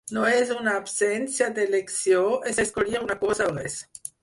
No és una absència d'elecció, és escollir una cosa o res.